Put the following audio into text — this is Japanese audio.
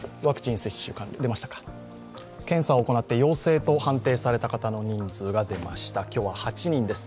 検査を行って陽性と判定された方の人数は今日は８人です。